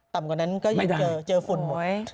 ต่ำกว่านั้นก็เจอฝุ่นหมดคือเครื่องบินปะไม่ได้